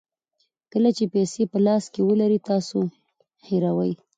کله چې پیسې په لاس کې ولرئ تاسو هیروئ.